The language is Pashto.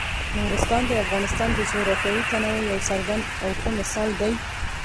نورستان د افغانستان د جغرافیوي تنوع یو څرګند او ښه مثال دی.